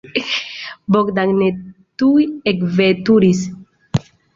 Bogdan ne tuj ekveturis.